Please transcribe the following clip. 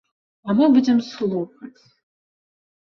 А мы будзем слухаць.